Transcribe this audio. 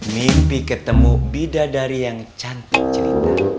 mimpi ketemu bidadari yang cantik cerita